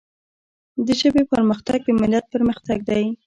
د ژبي پرمختګ د ملت پرمختګ دی.